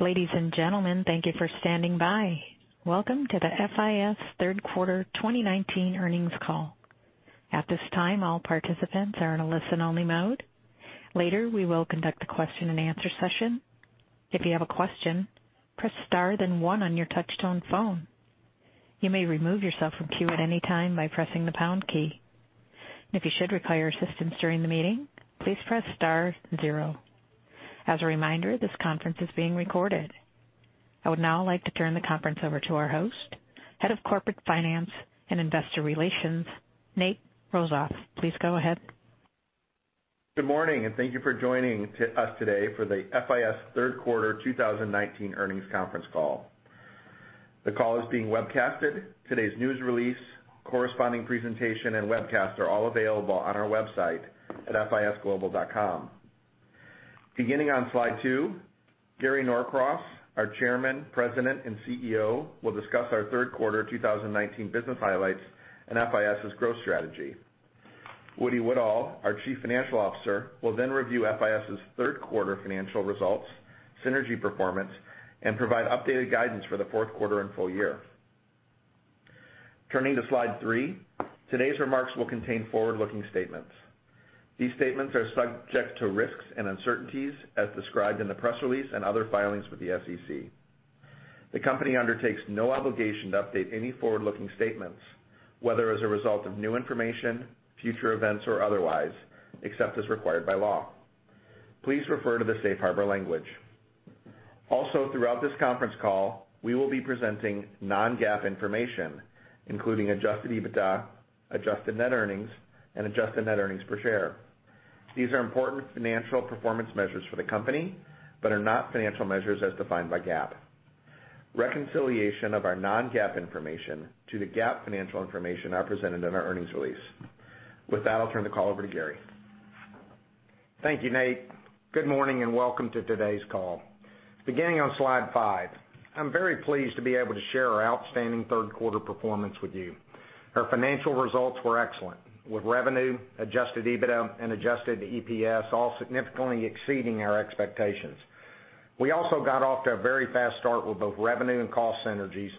Ladies and gentlemen, thank you for standing by. Welcome to the FIS third quarter 2019 earnings call. At this time, all participants are in a listen-only mode. Later, we will conduct a question and answer session. If you have a question, press star then one on your touch-tone phone. You may remove yourself from queue at any time by pressing the pound key. If you should require assistance during the meeting, please press star zero. As a reminder, this conference is being recorded. I would now like to turn the conference over to our host, Head of Corporate Finance and Investor Relations, Nathan Rozof. Please go ahead. Good morning, and thank you for joining us today for the FIS third quarter 2019 earnings conference call. The call is being webcasted. Today's news release, corresponding presentation, and webcast are all available on our website at fisglobal.com. Beginning on slide two, Gary Norcross, our Chairman, President, and CEO, will discuss our third quarter 2019 business highlights and FIS's growth strategy. James Woodall, our Chief Financial Officer, will then review FIS's third quarter financial results, synergy performance, and provide updated guidance for the fourth quarter and full year. Turning to slide three, today's remarks will contain forward-looking statements. These statements are subject to risks and uncertainties as described in the press release and other filings with the SEC. The company undertakes no obligation to update any forward-looking statements, whether as a result of new information, future events, or otherwise, except as required by law. Please refer to the safe harbor language. Also, throughout this conference call, we will be presenting non-GAAP information, including adjusted EBITDA, adjusted net earnings, and adjusted net earnings per share. These are important financial performance measures for the company, but are not financial measures as defined by GAAP. Reconciliation of our non-GAAP information to the GAAP financial information are presented in our earnings release. With that, I'll turn the call over to Gary. Thank you, Nate. Good morning and welcome to today's call. Beginning on slide five, I'm very pleased to be able to share our outstanding third quarter performance with you. Our financial results were excellent, with revenue, adjusted EBITDA, and adjusted EPS all significantly exceeding our expectations. We also got off to a very fast start with both revenue and cost synergies,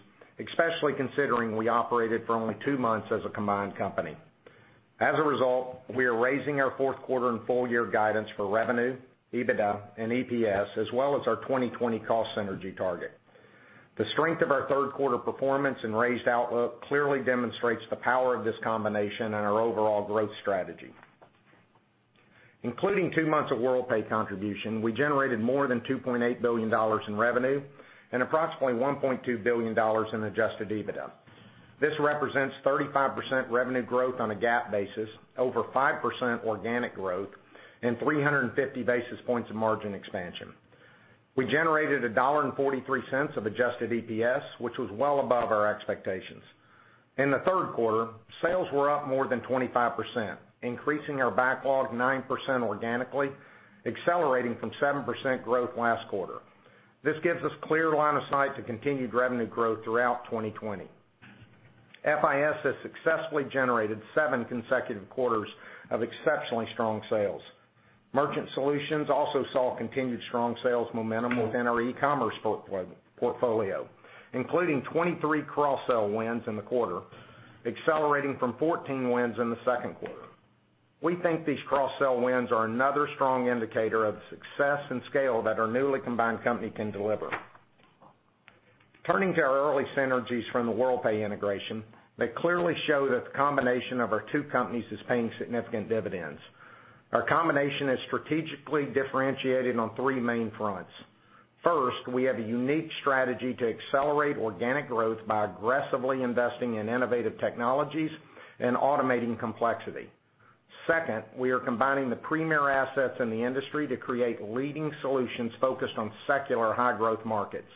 especially considering we operated for only two months as a combined company. We are raising our fourth quarter and full year guidance for revenue, EBITDA, and EPS, as well as our 2020 cost synergy target. The strength of our third quarter performance and raised outlook clearly demonstrates the power of this combination and our overall growth strategy. Including two months of Worldpay contribution, we generated more than $2.8 billion in revenue and approximately $1.2 billion in adjusted EBITDA. This represents 35% revenue growth on a GAAP basis, over 5% organic growth, and 350 basis points of margin expansion. We generated $1.43 of adjusted EPS, which was well above our expectations. In the third quarter, sales were up more than 25%, increasing our backlog 9% organically, accelerating from 7% growth last quarter. This gives us clear line of sight to continued revenue growth throughout 2020. FIS has successfully generated seven consecutive quarters of exceptionally strong sales. Merchant Solutions also saw continued strong sales momentum within our e-commerce portfolio, including 23 cross-sell wins in the quarter, accelerating from 14 wins in the second quarter. We think these cross-sell wins are another strong indicator of the success and scale that our newly combined company can deliver. Turning to our early synergies from the Worldpay integration, they clearly show that the combination of our two companies is paying significant dividends. Our combination is strategically differentiated on three main fronts. First, we have a unique strategy to accelerate organic growth by aggressively investing in innovative technologies and automating complexity. Second, we are combining the premier assets in the industry to create leading solutions focused on secular high growth markets.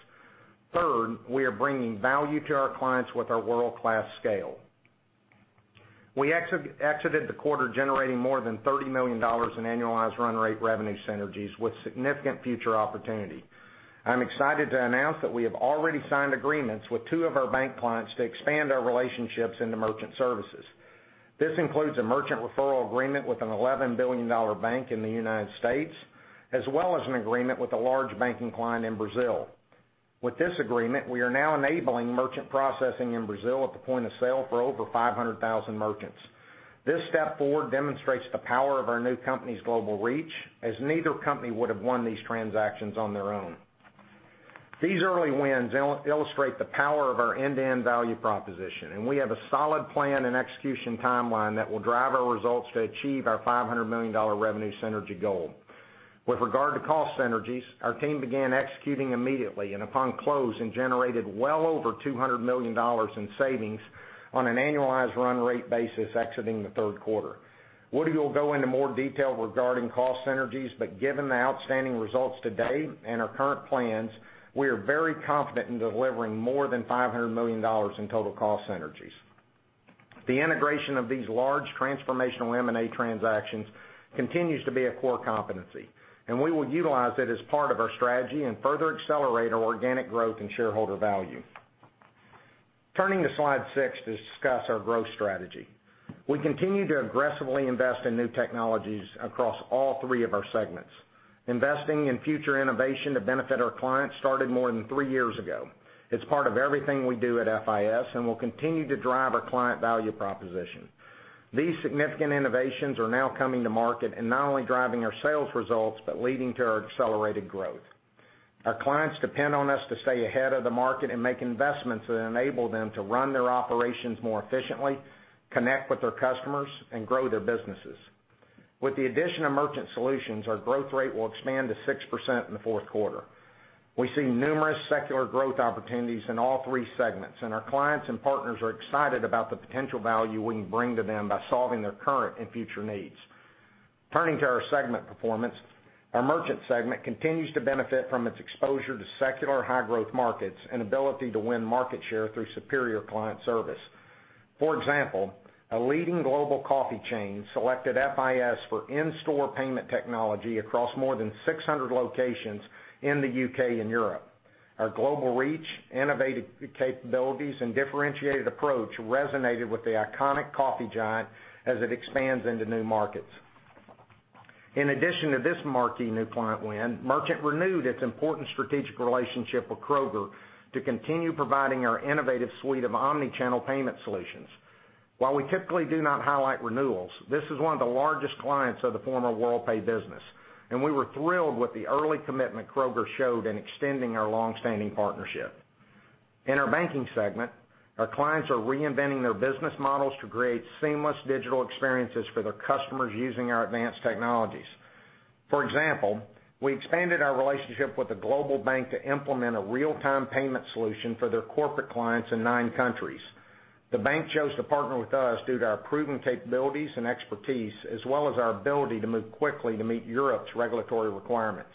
Third, we are bringing value to our clients with our world-class scale. We exited the quarter generating more than $30 million in annualized run rate revenue synergies with significant future opportunity. I'm excited to announce that we have already signed agreements with two of our bank clients to expand our relationships into merchant services. This includes a merchant referral agreement with an $11 billion bank in the United States, as well as an agreement with a large banking client in Brazil. With this agreement, we are now enabling merchant processing in Brazil at the point of sale for over 500,000 merchants. This step forward demonstrates the power of our new company's global reach, as neither company would have won these transactions on their own. These early wins illustrate the power of our end-to-end value proposition, and we have a solid plan and execution timeline that will drive our results to achieve our $500 million revenue synergy goal. With regard to cost synergies, our team began executing immediately and upon close and generated well over $200 million in savings on an annualized run rate basis exiting the third quarter. Woody will go into more detail regarding cost synergies, but given the outstanding results to date and our current plans, we are very confident in delivering more than $500 million in total cost synergies. The integration of these large transformational M&A transactions continues to be a core competency, and we will utilize it as part of our strategy and further accelerate our organic growth and shareholder value. Turning to slide six to discuss our growth strategy. We continue to aggressively invest in new technologies across all three of our segments. Investing in future innovation to benefit our clients started more than three years ago. It's part of everything we do at FIS, and will continue to drive our client value proposition. These significant innovations are now coming to market and not only driving our sales results, but leading to our accelerated growth. Our clients depend on us to stay ahead of the market and make investments that enable them to run their operations more efficiently, connect with their customers and grow their businesses. With the addition of Merchant Solutions, our growth rate will expand to 6% in the fourth quarter. We see numerous secular growth opportunities in all three segments, and our clients and partners are excited about the potential value we can bring to them by solving their current and future needs. Turning to our segment performance, our Merchant segment continues to benefit from its exposure to secular high growth markets and ability to win market share through superior client service. For example, a leading global coffee chain selected FIS for in-store payment technology across more than 600 locations in the U.K. and Europe. Our global reach, innovative capabilities, and differentiated approach resonated with the iconic coffee giant as it expands into new markets. In addition to this marquee new client win, Merchant renewed its important strategic relationship with Kroger to continue providing our innovative suite of omni-channel payment solutions. While we typically do not highlight renewals, this is one of the largest clients of the former Worldpay business, and we were thrilled with the early commitment Kroger showed in extending our long-standing partnership. In our banking segment, our clients are reinventing their business models to create seamless digital experiences for their customers using our advanced technologies. For example, we expanded our relationship with a global bank to implement a real-time payment solution for their corporate clients in nine countries. The bank chose to partner with us due to our proven capabilities and expertise, as well as our ability to move quickly to meet Europe's regulatory requirements.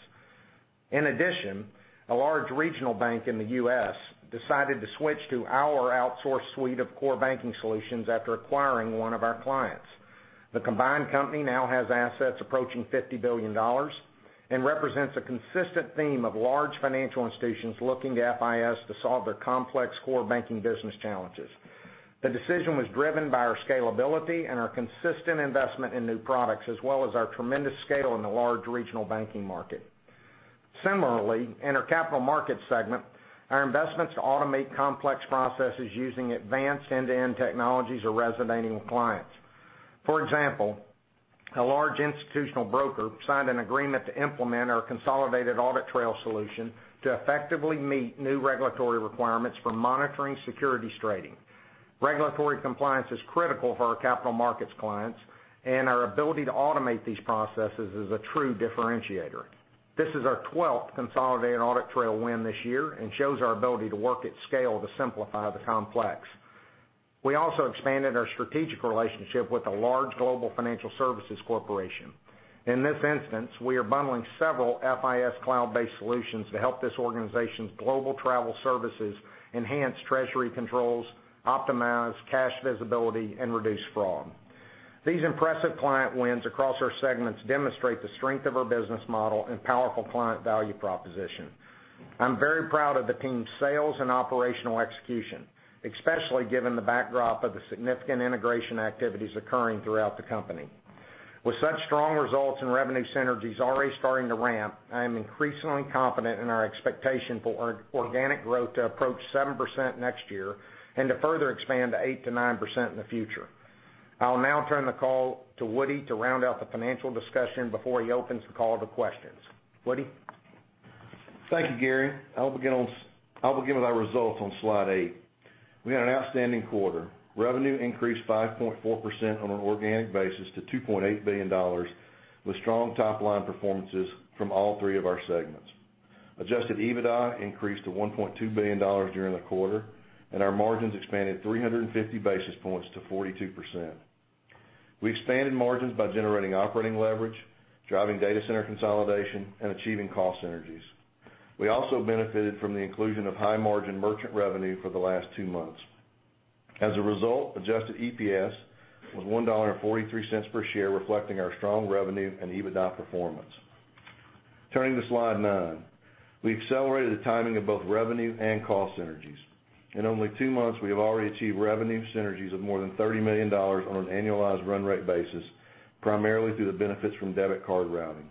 A large regional bank in the U.S. decided to switch to our outsourced suite of core banking solutions after acquiring one of our clients. The combined company now has assets approaching $50 billion, and represents a consistent theme of large financial institutions looking to FIS to solve their complex core banking business challenges. The decision was driven by our scalability and our consistent investment in new products, as well as our tremendous scale in the large regional banking market. Similarly, in our Capital Markets segment, our investments to automate complex processes using advanced end-to-end technologies are resonating with clients. For example, a large institutional broker signed an agreement to implement our consolidated audit trail solution to effectively meet new regulatory requirements for monitoring securities trading. Regulatory compliance is critical for our Capital Markets clients, and our ability to automate these processes is a true differentiator. This is our 12th consolidated audit trail win this year and shows our ability to work at scale to simplify the complex. We also expanded our strategic relationship with a large global financial services corporation. In this instance, we are bundling several FIS cloud-based solutions to help this organization's global travel services enhance treasury controls, optimize cash visibility, and reduce fraud. These impressive client wins across our segments demonstrate the strength of our business model and powerful client value proposition. I'm very proud of the team's sales and operational execution, especially given the backdrop of the significant integration activities occurring throughout the company. With such strong results and revenue synergies already starting to ramp, I am increasingly confident in our expectation for organic growth to approach 7% next year, and to further expand to 8%-9% in the future. I will now turn the call to Woody to round out the financial discussion before he opens the call to questions. Woody? Thank you, Gary. I will begin with our results on slide eight. We had an outstanding quarter. Revenue increased 5.4% on an organic basis to $2.8 billion, with strong top-line performances from all three of our segments. Adjusted EBITDA increased to $1.2 billion during the quarter, and our margins expanded 350 basis points to 42%. We expanded margins by generating operating leverage, driving data center consolidation, and achieving cost synergies. We also benefited from the inclusion of high-margin merchant revenue for the last two months. As a result, adjusted EPS was $1.43 per share, reflecting our strong revenue and EBITDA performance. Turning to slide nine. We accelerated the timing of both revenue and cost synergies. In only two months, we have already achieved revenue synergies of more than $30 million on an annualized run rate basis, primarily through the benefits from debit card routing.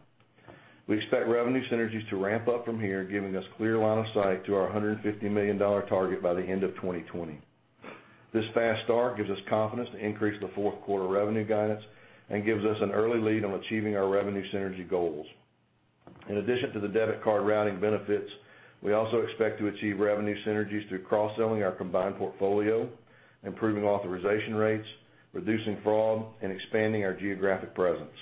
We expect revenue synergies to ramp up from here, giving us clear line of sight to our $150 million target by the end of 2020. This fast start gives us confidence to increase the fourth quarter revenue guidance and gives us an early lead on achieving our revenue synergy goals. In addition to the debit card routing benefits, we also expect to achieve revenue synergies through cross-selling our combined portfolio, improving authorization rates, reducing fraud, and expanding our geographic presence.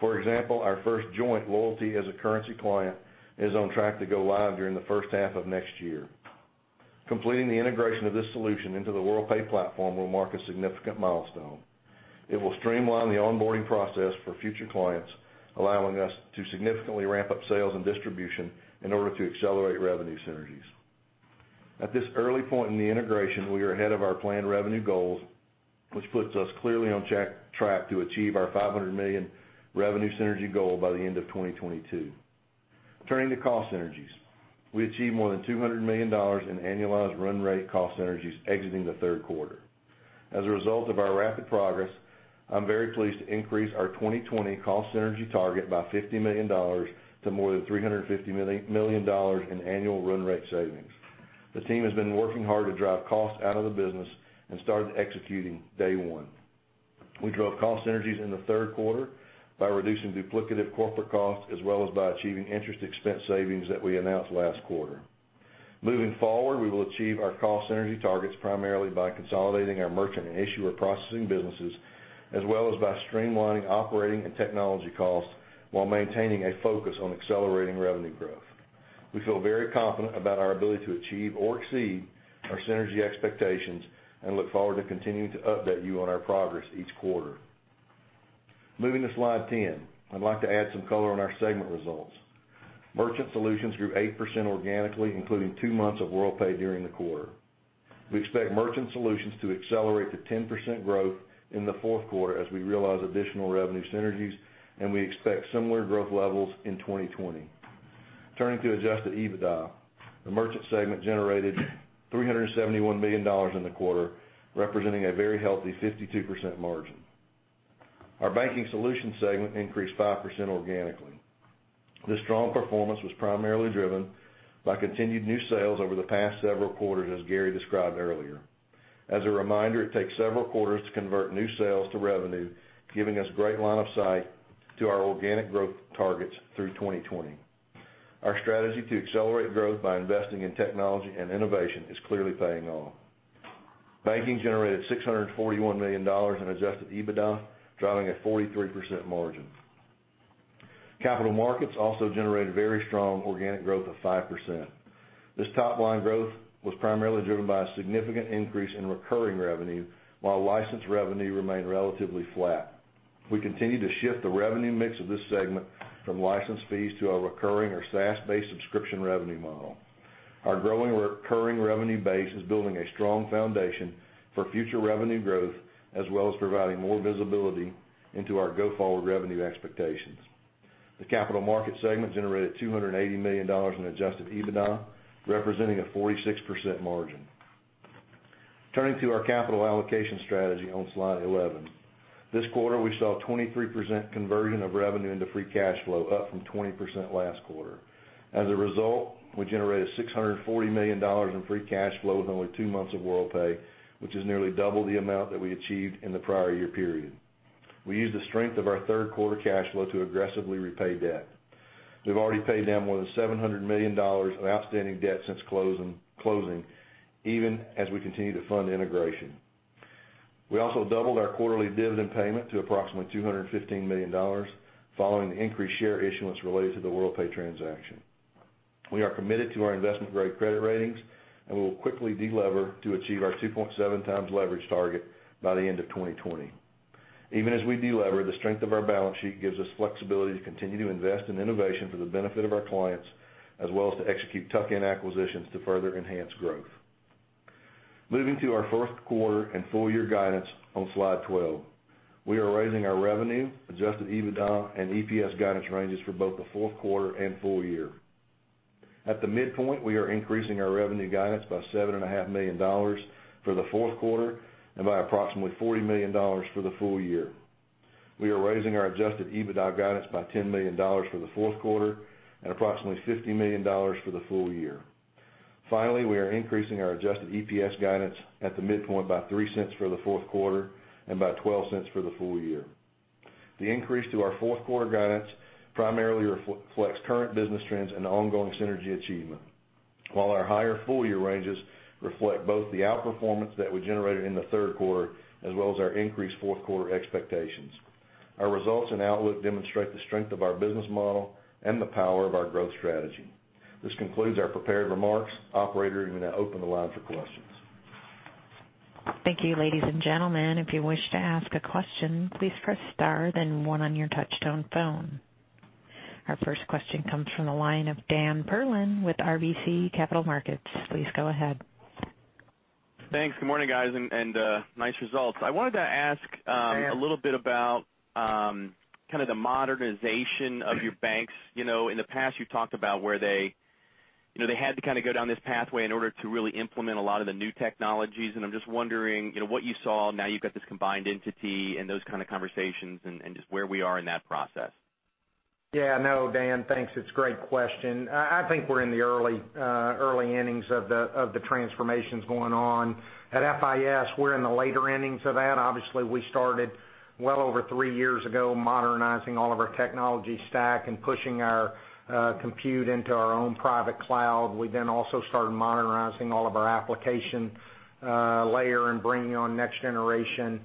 For example, our first joint Loyalty as a Currency client is on track to go live during the first half of next year. Completing the integration of this solution into the Worldpay platform will mark a significant milestone. It will streamline the onboarding process for future clients, allowing us to significantly ramp up sales and distribution in order to accelerate revenue synergies. At this early point in the integration, we are ahead of our planned revenue goals, which puts us clearly on track to achieve our $500 million revenue synergy goal by the end of 2022. Turning to cost synergies. We achieved more than $200 million in annualized run rate cost synergies exiting the third quarter. As a result of our rapid progress, I'm very pleased to increase our 2020 cost synergy target by $50 million to more than $350 million in annual run rate savings. The team has been working hard to drive costs out of the business and started executing day one. We drove cost synergies in the third quarter by reducing duplicative corporate costs, as well as by achieving interest expense savings that we announced last quarter. Moving forward, we will achieve our cost synergy targets primarily by consolidating our merchant and issuer processing businesses, as well as by streamlining operating and technology costs while maintaining a focus on accelerating revenue growth. We feel very confident about our ability to achieve or exceed our synergy expectations and look forward to continuing to update you on our progress each quarter. Moving to slide 10, I'd like to add some color on our segment results. Merchant Solutions grew 8% organically, including two months of Worldpay during the quarter. We expect Merchant Solutions to accelerate to 10% growth in the fourth quarter as we realize additional revenue synergies, and we expect similar growth levels in 2020. Turning to adjusted EBITDA. The merchant segment generated $371 million in the quarter, representing a very healthy 52% margin. Our Banking Solutions segment increased 5% organically. This strong performance was primarily driven by continued new sales over the past several quarters, as Gary described earlier. As a reminder, it takes several quarters to convert new sales to revenue, giving us great line of sight to our organic growth targets through 2020. Our strategy to accelerate growth by investing in technology and innovation is clearly paying off. Banking generated $641 million in adjusted EBITDA, driving a 43% margin. Capital Markets also generated very strong organic growth of 5%. This top-line growth was primarily driven by a significant increase in recurring revenue while licensed revenue remained relatively flat. We continue to shift the revenue mix of this segment from license fees to our recurring or SaaS-based subscription revenue model. Our growing recurring revenue base is building a strong foundation for future revenue growth, as well as providing more visibility into our go-forward revenue expectations. The capital market segment generated $280 million in adjusted EBITDA, representing a 46% margin. Turning to our capital allocation strategy on slide 11. This quarter, we saw a 23% conversion of revenue into free cash flow, up from 20% last quarter. As a result, we generated $640 million in free cash flow with only two months of Worldpay, which is nearly double the amount that we achieved in the prior year period. We used the strength of our third quarter cash flow to aggressively repay debt. We've already paid down more than $700 million of outstanding debt since closing, even as we continue to fund integration. We also doubled our quarterly dividend payment to approximately $215 million, following the increased share issuance related to the Worldpay transaction. We are committed to our investment-grade credit ratings, and we will quickly de-lever to achieve our 2.7 times leverage target by the end of 2020. Even as we de-lever, the strength of our balance sheet gives us flexibility to continue to invest in innovation for the benefit of our clients, as well as to execute tuck-in acquisitions to further enhance growth. Moving to our fourth quarter and full-year guidance on slide 12. We are raising our revenue, adjusted EBITDA, and EPS guidance ranges for both the fourth quarter and full year. At the midpoint, we are increasing our revenue guidance by $7.5 million for the fourth quarter and by approximately $40 million for the full year. We are raising our adjusted EBITDA guidance by $10 million for the fourth quarter and approximately $50 million for the full year. Finally, we are increasing our adjusted EPS guidance at the midpoint by $0.03 for the fourth quarter and by $0.12 for the full year. The increase to our fourth-quarter guidance primarily reflects current business trends and ongoing synergy achievement. Our higher full-year ranges reflect both the outperformance that we generated in the third quarter as well as our increased fourth-quarter expectations. Our results and outlook demonstrate the strength of our business model and the power of our growth strategy. This concludes our prepared remarks. Operator, you may now open the line for questions. Thank you, ladies and gentlemen. If you wish to ask a question, please press star then one on your touch-tone phone. Our first question comes from the line of Dan Perlin with RBC Capital Markets. Please go ahead. Thanks. Good morning, guys. Nice results. Dan a little bit about the modernization of your banks. In the past, you've talked about where they had to go down this pathway in order to really implement a lot of the new technologies, and I'm just wondering what you saw now you've got this combined entity and those kind of conversations and just where we are in that process. Dan, thanks. It's a great question. I think we're in the early innings of the transformations going on. At FIS, we're in the later innings of that. We started well over three years ago, modernizing all of our technology stack and pushing our compute into our own private cloud. We also started modernizing all of our application layer and bringing on next-generation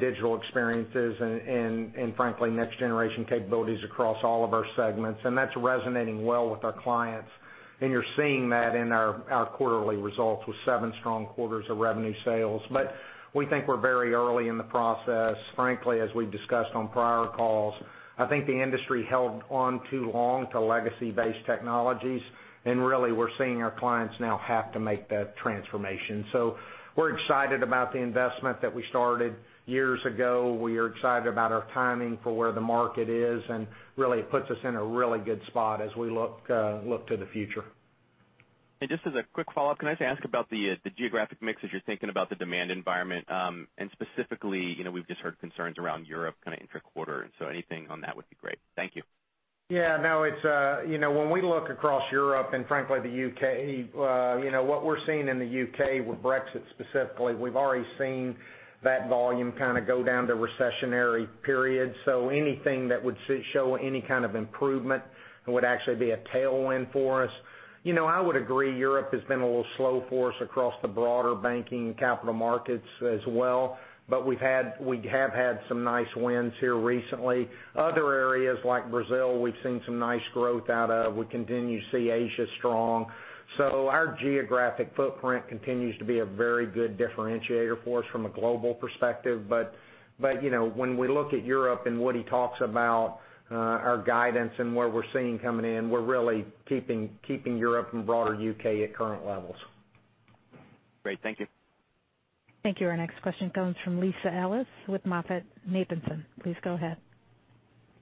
digital experiences and, frankly, next-generation capabilities across all of our segments. That's resonating well with our clients. You're seeing that in our quarterly results with seven strong quarters of revenue sales. We think we're very early in the process. Frankly, as we've discussed on prior calls, I think the industry held on too long to legacy-based technologies, and really, we're seeing our clients now have to make that transformation. We're excited about the investment that we started years ago. We are excited about our timing for where the market is, and really, it puts us in a really good spot as we look to the future. Just as a quick follow-up, can I ask about the geographic mix as you're thinking about the demand environment? Specifically, we've just heard concerns around Europe intra-quarter. Anything on that would be great. Thank you. Yeah, no. When we look across Europe and frankly, the U.K., what we're seeing in the U.K. with Brexit specifically, we've already seen that volume go down to recessionary periods. Anything that would show any kind of improvement would actually be a tailwind for us. I would agree, Europe has been a little slow for us across the broader banking and capital markets as well, but we have had some nice wins here recently. Other areas like Brazil, we've seen some nice growth out of. We continue to see Asia strong. Our geographic footprint continues to be a very good differentiator for us from a global perspective. When we look at Europe and Woody talks about our guidance and what we're seeing coming in, we're really keeping Europe and broader U.K. at current levels. Great. Thank you. Thank you. Our next question comes from Lisa Ellis with MoffettNathanson. Please go ahead.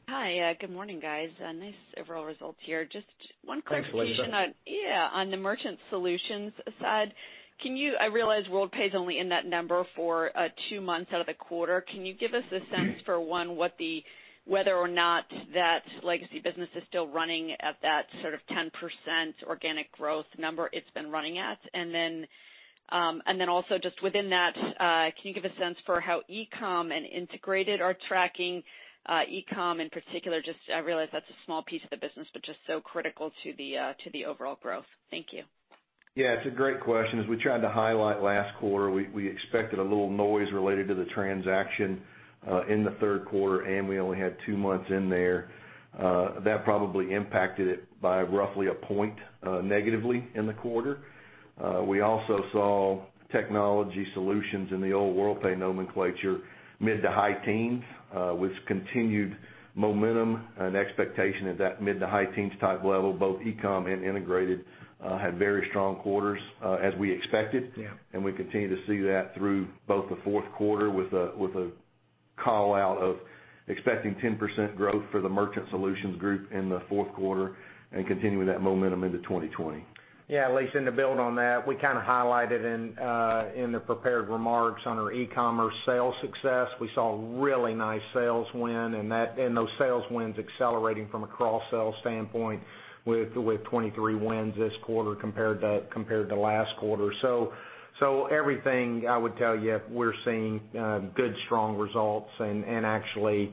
Hi. Good morning, guys. Nice overall results here. Just one clarification. Thanks, Lisa. Yeah. On the Merchant Solutions side, I realize Worldpay's only in that number for two months out of the quarter. Can you give us a sense for one, whether or not that legacy business is still running at that 10% organic growth number it's been running at? Also just within that, can you give a sense for how e-com and integrated are tracking? E-com in particular, just I realize that's a small piece of the business, but just so critical to the overall growth. Thank you. Yeah, it's a great question. As we tried to highlight last quarter, we expected a little noise related to the transaction, in the third quarter, and we only had two months in there. That probably impacted it by roughly a point, negatively in the quarter. We also saw technology solutions in the old Worldpay nomenclature, mid to high teens, with continued momentum and expectation at that mid to high teens type level, both e-com and integrated had very strong quarters, as we expected. Yeah. We continue to see that through both the fourth quarter with a call-out of expecting 10% growth for the Merchant Solutions group in the fourth quarter and continuing that momentum into 2020. Yeah, Lisa, to build on that, we highlighted in the prepared remarks on our e-commerce sales success, we saw really nice sales win and those sales wins accelerating from a cross-sell standpoint with 23 wins this quarter compared to last quarter. Everything, I would tell you, we're seeing good, strong results. Actually,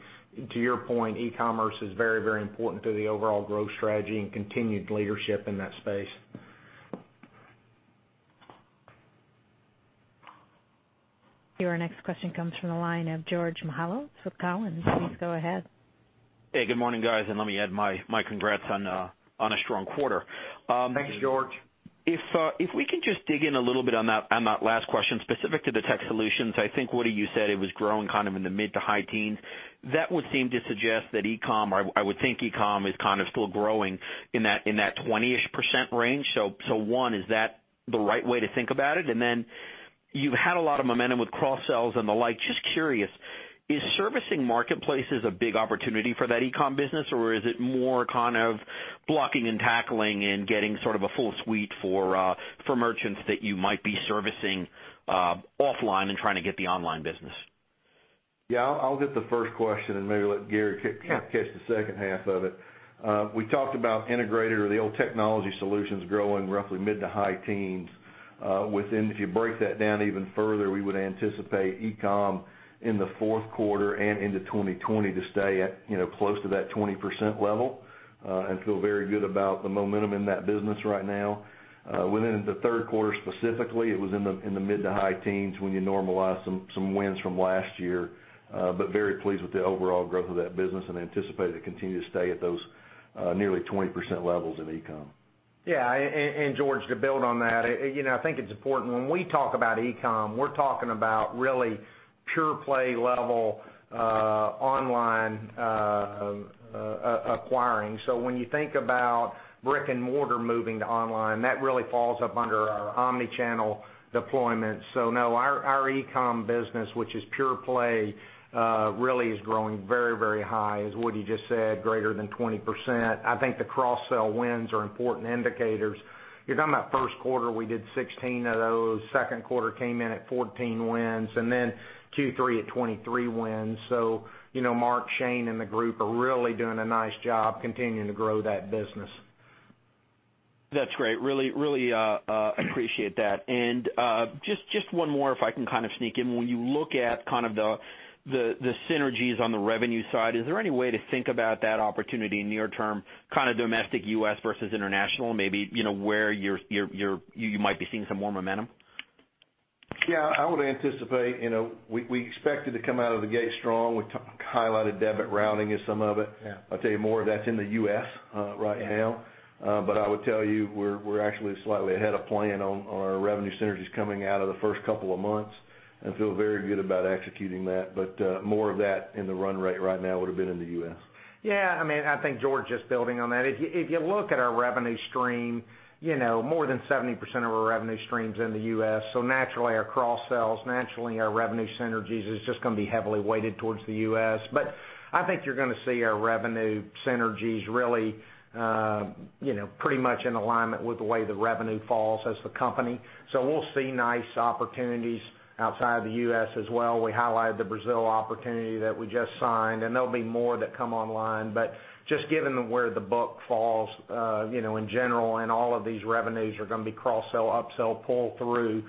to your point, e-commerce is very important to the overall growth strategy and continued leadership in that space. Your next question comes from the line of Georgios Mihalos with Cowen. Please go ahead. Hey, good morning, guys. Let me add my congrats on a strong quarter. Thanks, George. If we can just dig in a little bit on that last question, specific to the tech solutions, I think Woody you said it was growing in the mid to high teens. That would seem to suggest that e-com, I would think e-com is still growing in that 20-ish% range. One, is that the right way to think about it? Then you've had a lot of momentum with cross-sells and the like, just curious, is servicing marketplaces a big opportunity for that e-com business, or is it more blocking and tackling and getting sort of a full suite for merchants that you might be servicing offline and trying to get the online business? Yeah, I'll get the first question. Yeah catch the second half of it. We talked about integrated or the old technology solutions growing roughly mid to high teens. If you break that down even further, we would anticipate e-com in the fourth quarter and into 2020 to stay at close to that 20% level, and feel very good about the momentum in that business right now. Within the third quarter specifically, it was in the mid to high teens when you normalize some wins from last year. Very pleased with the overall growth of that business and anticipate it to continue to stay at those nearly 20% levels in e-com. Yeah, George, to build on that, I think it's important when we talk about e-com, we're talking about really pure play level online acquiring. When you think about brick and mortar moving to online, that really falls up under our omni-channel deployment. No, our e-com business, which is pure play, really is growing very high as Woody just said, greater than 20%. I think the cross-sell wins are important indicators. You're talking about first quarter, we did 16 of those, second quarter came in at 14 wins, Q3 at 23 wins. Mark, Shane, and the group are really doing a nice job continuing to grow that business. That's great. Really appreciate that. Just one more if I can sneak in. When you look at the synergies on the revenue side, is there any way to think about that opportunity near term, domestic U.S. versus international, maybe where you might be seeing some more momentum? Yeah, we expected to come out of the gate strong. We highlighted debit routing as some of it. Yeah. I'll tell you more of that's in the U.S. right now. I would tell you, we're actually slightly ahead of plan on our revenue synergies coming out of the first couple of months and feel very good about executing that. More of that in the run rate right now would've been in the U.S. Yeah, I think George, just building on that, if you look at our revenue stream, more than 70% of our revenue stream's in the U.S., naturally our cross-sells, naturally our revenue synergies is just going to be heavily weighted towards the U.S. I think you're going to see our revenue synergies really pretty much in alignment with the way the revenue falls as the company. We'll see nice opportunities outside the U.S. as well. We highlighted the Brazil opportunity that we just signed, and there'll be more that come online, but just given where the book falls, in general, and all of these revenues are going to be cross-sell, upsell, pull through,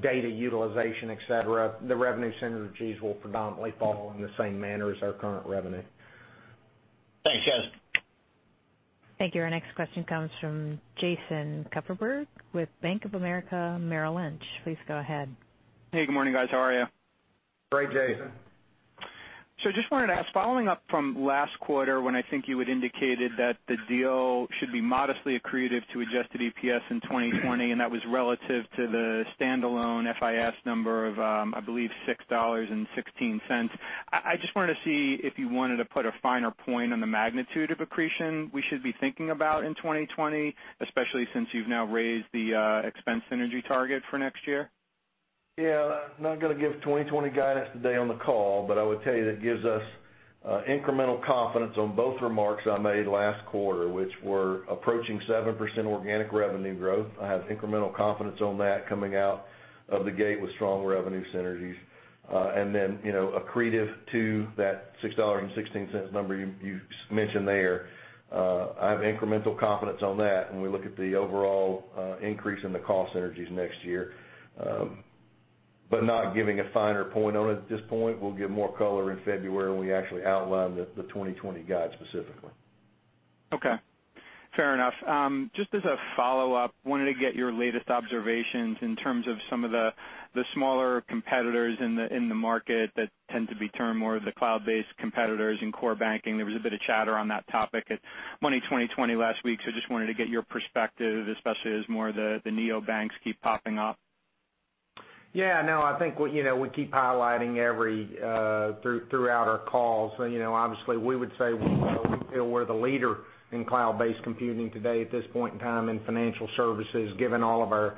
data utilization, et cetera, the revenue synergies will predominantly fall in the same manner as our current revenue. Thanks, guys. Thank you. Our next question comes from Jason Kupferberg with Bank of America Merrill Lynch. Please go ahead. Hey, good morning, guys. How are you? Great, Jason. I just wanted to ask, following up from last quarter when I think you had indicated that the deal should be modestly accretive to adjusted EPS in 2020, and that was relative to the standalone FIS number of, I believe, $6.16. I just wanted to see if you wanted to put a finer point on the magnitude of accretion we should be thinking about in 2020, especially since you've now raised the expense synergy target for next year. Yeah. I'm not going to give 2020 guidance today on the call, but I would tell you that gives us incremental confidence on both remarks I made last quarter, which were approaching 7% organic revenue growth. I have incremental confidence on that coming out of the gate with strong revenue synergies. Accretive to that $6.16 number you mentioned there. I have incremental confidence on that when we look at the overall increase in the cost synergies next year. Not giving a finer point on it at this point. We'll give more color in February when we actually outline the 2020 guide specifically. Okay. Fair enough. Just as a follow-up, wanted to get your latest observations in terms of some of the smaller competitors in the market that tend to be termed more the cloud-based competitors in core banking. There was a bit of chatter on that topic at Money20/20 last week, so just wanted to get your perspective, especially as more of the neobanks keep popping up. Yeah, no, I think we keep highlighting throughout our calls. Obviously, we would say we feel we're the leader in cloud-based computing today at this point in time in financial services, given all of our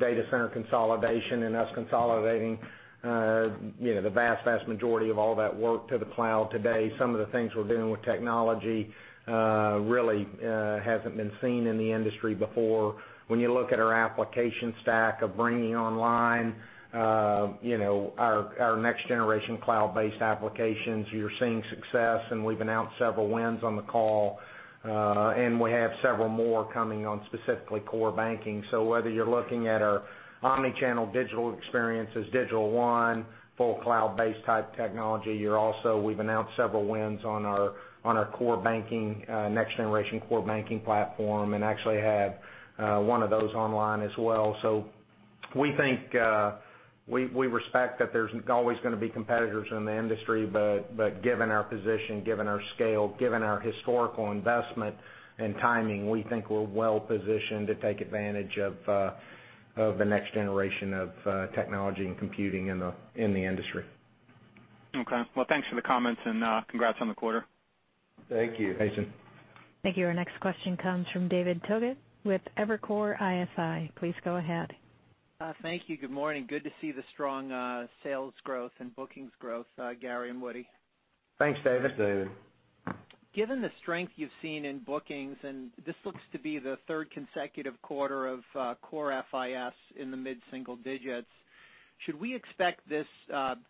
data center consolidation and us consolidating the vast majority of all that work to the cloud today. Some of the things we're doing with technology really hasn't been seen in the industry before. When you look at our application stack of bringing online our next-generation cloud-based applications, you're seeing success, and we've announced several wins on the call. We have several more coming on specifically core banking. Whether you're looking at our omni-channel digital experiences, Digital One, full cloud-based type technology, we've announced several wins on our next-generation core banking platform and actually have one of those online as well. We respect that there's always going to be competitors in the industry, but given our position, given our scale, given our historical investment and timing, we think we're well-positioned to take advantage of the next generation of technology and computing in the industry. Okay. Well, thanks for the comments, and congrats on the quarter. Thank you. Thank you, Jason. Thank you. Our next question comes from David Togut with Evercore ISI. Please go ahead. Thank you. Good morning. Good to see the strong sales growth and bookings growth, Gary and Woody. Thanks, David. Thanks, David. Given the strength you've seen in bookings, and this looks to be the third consecutive quarter of core FIS in the mid-single digits, should we expect this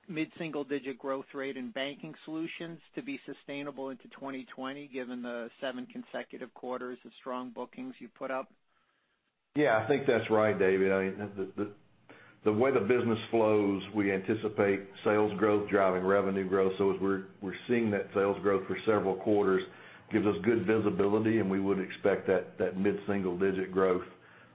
mid-single-digit growth rate in Banking Solutions to be sustainable into 2020, given the seven consecutive quarters of strong bookings you've put up? Yeah, I think that's right, David. The way the business flows, we anticipate sales growth driving revenue growth. As we're seeing that sales growth for several quarters, gives us good visibility, and we would expect that mid-single-digit growth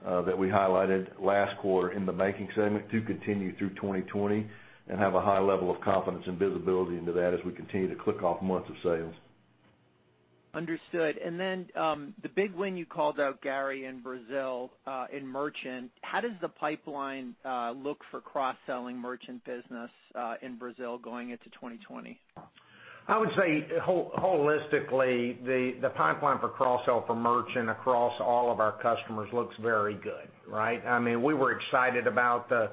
that we highlighted last quarter in the banking segment to continue through 2020 and have a high level of confidence and visibility into that as we continue to click off months of sales. Understood. The big win you called out, Gary, in Brazil in merchant, how does the pipeline look for cross-selling merchant business in Brazil going into 2020? I would say holistically, the pipeline for cross-sell for merchant across all of our customers looks very good, right? We were excited about the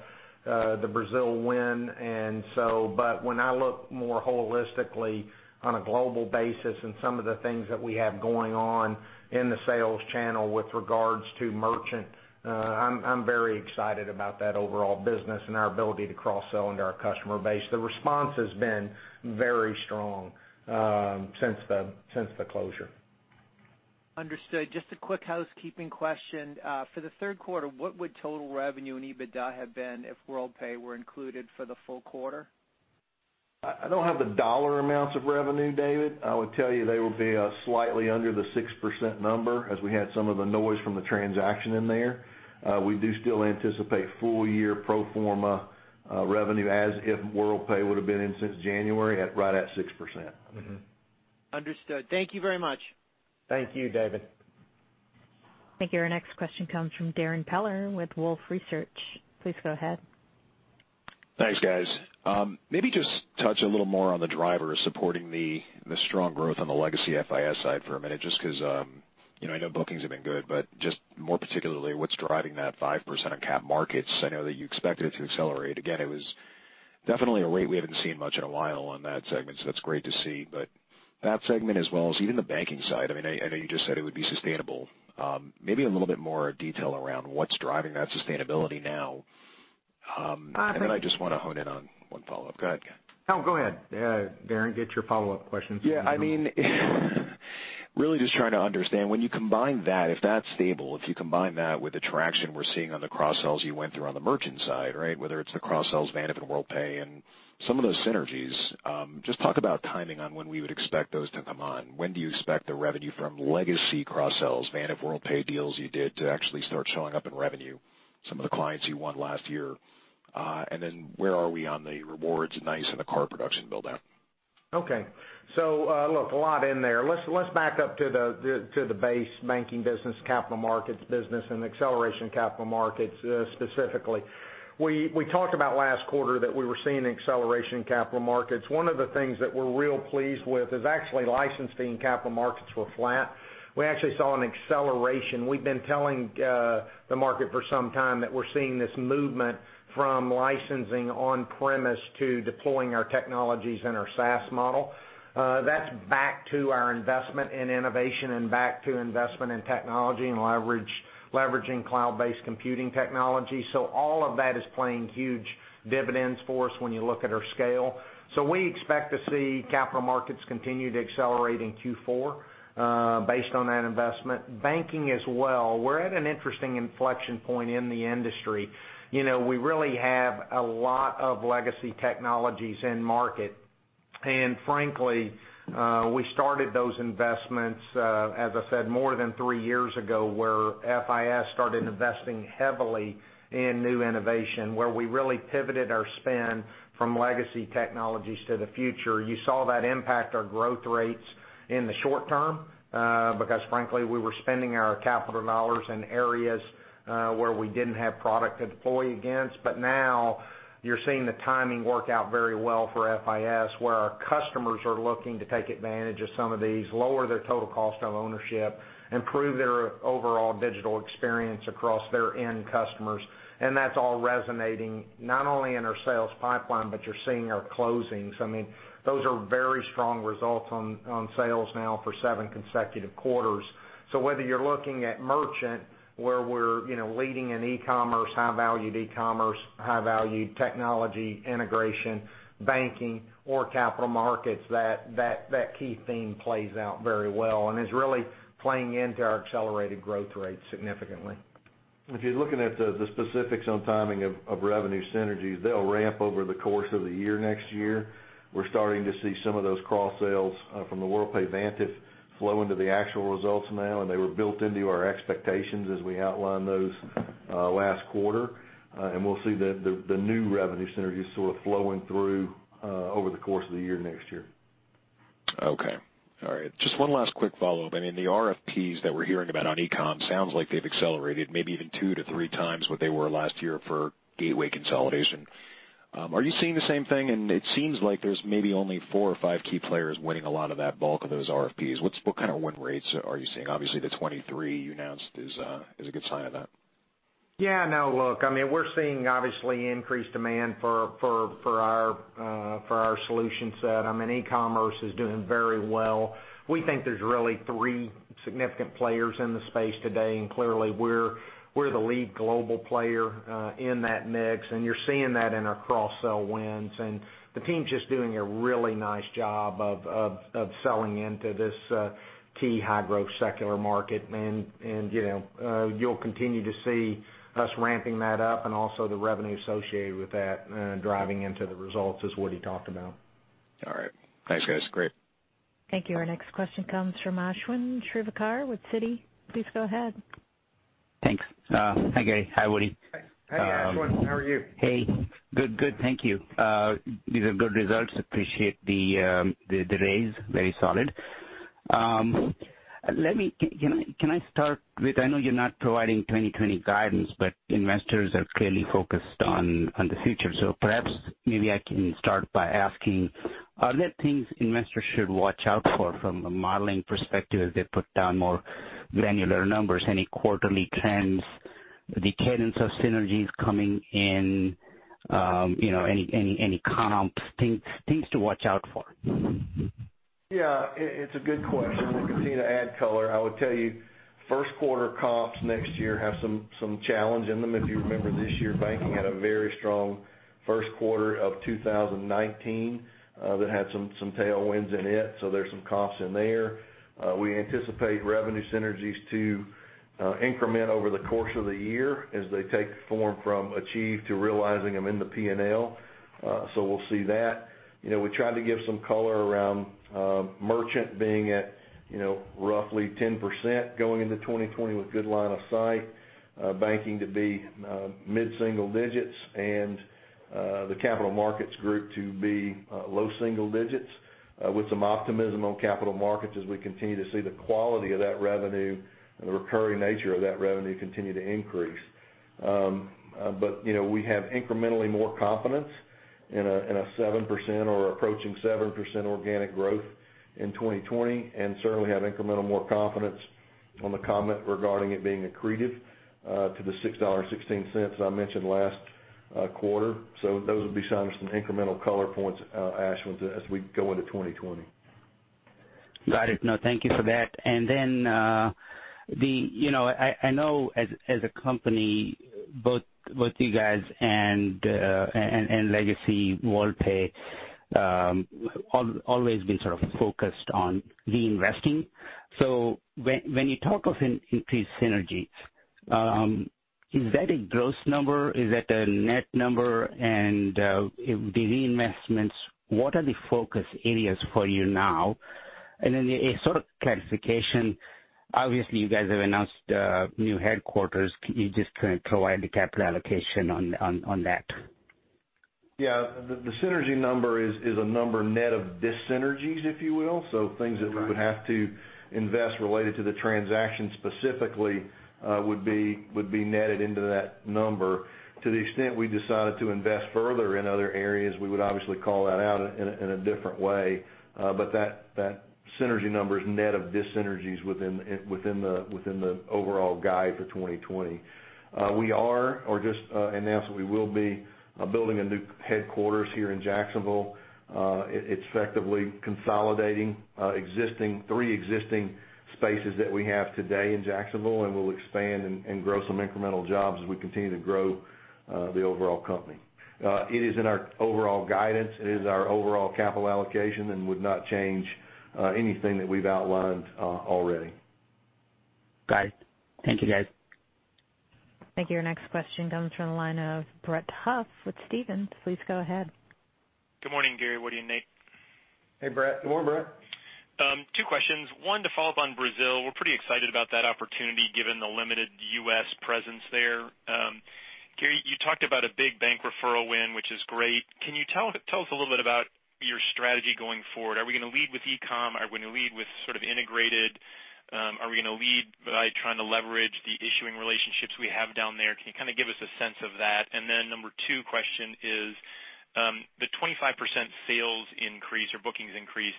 Brazil win. When I look more holistically on a global basis and some of the things that we have going on in the sales channel with regards to merchant, I'm very excited about that overall business and our ability to cross-sell into our customer base. The response has been very strong since the closure. Understood. Just a quick housekeeping question. For the third quarter, what would total revenue and EBITDA have been if Worldpay were included for the full quarter? I don't have the dollar amounts of revenue, David. I would tell you they would be slightly under the 6% number as we had some of the noise from the transaction in there. We do still anticipate full-year pro forma revenue as if Worldpay would've been in since January right at 6%. Understood. Thank you very much. Thank you, David. Thank you. Our next question comes from Darrin Peller with Wolfe Research. Please go ahead. Thanks, guys. Maybe just touch a little more on the drivers supporting the strong growth on the legacy FIS side for a minute, just because I know bookings have been good. Just more particularly, what's driving that 5% on Capital Markets? I know that you expected it to accelerate. Again, it was definitely a rate we haven't seen much in a while on that segment, so that's great to see. That segment as well as even the Banking Solutions side, I know you just said it would be sustainable. Maybe a little bit more detail around what's driving that sustainability now. I just want to hone in on one follow-up. Go ahead. No, go ahead. Darrin, get your follow-up question. Yeah, I mean Really just trying to understand, when you combine that, if that's stable, if you combine that with the traction we're seeing on the cross-sells you went through on the Merchant Solutions side, right? Whether it's the cross-sells, Vantiv and Worldpay and some of those synergies, just talk about timing on when we would expect those to come on. When do you expect the revenue from legacy cross-sells, Vantiv, Worldpay deals you did to actually start showing up in revenue, some of the clients you won last year? Then where are we on the rewards, NICE, and the card production build-out? Okay. Look, a lot in there. Let's back up to the base banking business, capital markets business, and acceleration capital markets, specifically. We talked about last quarter that we were seeing acceleration in capital markets. One of the things that we're real pleased with is actually licensing capital markets were flat. We actually saw an acceleration. We've been telling the market for some time that we're seeing this movement from licensing on-premise to deploying our technologies in our SaaS model. That's back to our investment in innovation and back to investment in technology and leveraging cloud-based computing technology. All of that is playing huge dividends for us when you look at our scale. We expect to see capital markets continue to accelerate in Q4 based on that investment. Banking as well, we're at an interesting inflection point in the industry. We really have a lot of legacy technologies in market. Frankly, we started those investments, as I said, more than three years ago, where FIS started investing heavily in new innovation, where we really pivoted our spend from legacy technologies to the future. You saw that impact our growth rates in the short term, because frankly, we were spending our capital dollars in areas where we didn't have product to deploy against. Now you're seeing the timing work out very well for FIS, where our customers are looking to take advantage of some of these, lower their total cost of ownership, improve their overall digital experience across their end customers. That's all resonating not only in our sales pipeline, but you're seeing our closings. Those are very strong results on sales now for seven consecutive quarters. Whether you're looking at Merchant, where we're leading in e-commerce, high-valued e-commerce, high-valued technology integration, Banking or Capital Markets, that key theme plays out very well and is really playing into our accelerated growth rate significantly. If you're looking at the specifics on timing of revenue synergies, they'll ramp over the course of the year next year. We're starting to see some of those cross-sales from the Worldpay, Vantiv flow into the actual results now. They were built into our expectations as we outlined those last quarter. We'll see the new revenue synergies sort of flowing through, over the course of the year, next year. Okay. All right. Just one last quick follow-up. The RFPs that we're hearing about on e-com sounds like they've accelerated maybe even two to three times what they were last year for gateway consolidation. Are you seeing the same thing? It seems like there's maybe only four or five key players winning a lot of that bulk of those RFPs. What kind of win rates are you seeing? Obviously, the 23 you announced is a good sign of that. Yeah. No, look, we're seeing obviously increased demand for our solution set. E-commerce is doing very well. We think there's really three significant players in the space today. Clearly we're the lead global player in that mix. You're seeing that in our cross-sell wins. The team's just doing a really nice job of selling into this key high-growth secular market. You'll continue to see us ramping that up and also the revenue associated with that driving into the results as Woody talked about. All right. Thanks, guys. Great. Thank you. Our next question comes from Ashwin Shirvaikar with Citi. Please go ahead. Thanks. Hi, Gary. Hi, Woody. Hey. Hey, Ashwin. How are you? Hey. Good. Thank you. These are good results. Appreciate the raise. Very solid. Can I start with, I know you're not providing 2020 guidance, but investors are clearly focused on the future? Perhaps maybe I can start by asking, are there things investors should watch out for from a modeling perspective as they put down more granular numbers? Any quarterly trends, the cadence of synergies coming in, any comps, things to watch out for? Yeah. It's a good question. We'll continue to add color. I would tell you, first quarter comps next year have some challenge in them. If you remember this year, banking had a very strong first quarter of 2019 that had some tailwinds in it. There's some comps in there. We anticipate revenue synergies to increment over the course of the year as they take form from achieve to realizing them in the P&L. We'll see that. We tried to give some color around merchant being at roughly 10% going into 2020 with good line of sight, banking to be mid-single digits, and the capital markets group to be low single digits with some optimism on capital markets as we continue to see the quality of that revenue and the recurring nature of that revenue continue to increase. We have incrementally more confidence in a 7% or approaching 7% organic growth in 2020, and certainly have incrementally more confidence on the comment regarding it being accretive to the $6.16 I mentioned last quarter. Those would be some incremental color points, Ashwin, as we go into 2020. Got it. No, thank you for that. I know as a company, both you guys and legacy Worldpay always been sort of focused on reinvesting. When you talk of increased synergies, is that a gross number? Is that a net number? The reinvestments, what are the focus areas for you now? A sort of clarification, obviously, you guys have announced a new headquarters. Can you just provide the capital allocation on that? Yeah. The synergy number is a number net of dis-synergies, if you will. Right we would have to invest related to the transaction specifically would be netted into that number. To the extent we decided to invest further in other areas, we would obviously call that out in a different way. That synergy number is net of dis-synergies within the overall guide for 2020. We are, or just announced that we will be building a new headquarters here in Jacksonville. It's effectively consolidating three existing spaces that we have today in Jacksonville, and we'll expand and grow some incremental jobs as we continue to grow the overall company. It is in our overall guidance. It is our overall capital allocation and would not change anything that we've outlined already. Got it. Thank you, guys. Thank you. Your next question comes from the line of Brett Huff with Stephens. Please go ahead. Good morning, Gary, Woody, and Nate. Hey, Brett. Two questions. One to follow up on Brazil. We're pretty excited about that opportunity given the limited U.S. presence there. Gary, you talked about a big bank referral win, which is great. Can you tell us a little bit about your strategy going forward? Are we going to lead with e-com? Are we going to lead with sort of integrated? Are we going to lead by trying to leverage the issuing relationships we have down there? Can you kind of give us a sense of that? Number two question is the 25% sales increase or bookings increase,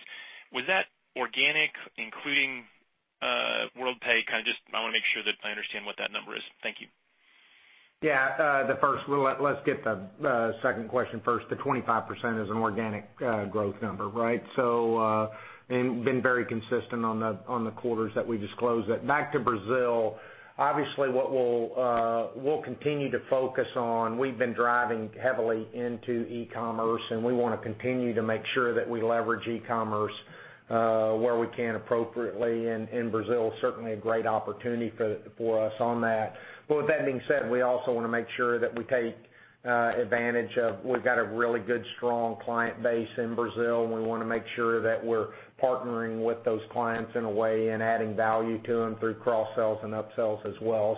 was that organic, including Worldpay? I want to make sure that I understand what that number is. Thank you. Yeah. Let's get the second question first. The 25% is an organic growth number, right? We've been very consistent on the quarters that we disclosed it. Back to Brazil, obviously, what we'll continue to focus on, we've been driving heavily into e-commerce, and we want to continue to make sure that we leverage e-commerce where we can appropriately, and Brazil is certainly a great opportunity for us on that. With that being said, we also want to make sure that we take advantage of, we've got a really good, strong client base in Brazil, and we want to make sure that we're partnering with those clients in a way and adding value to them through cross-sells and up-sells as well.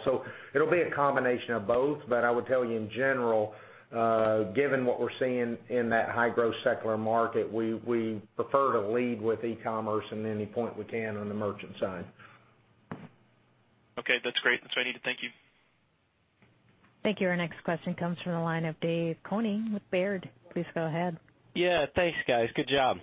It'll be a combination of both, but I would tell you in general, given what we're seeing in that high-growth secular market, we prefer to lead with e-commerce in any point we can on the merchant side. Okay, that's great. That's what I needed. Thank you. Thank you. Our next question comes from the line of David Koning with Baird. Please go ahead. Yeah, thanks, guys. Good job.